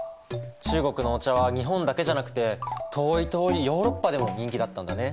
中国のお茶は日本だけじゃなくて遠い遠いヨーロッパでも人気だったんだね。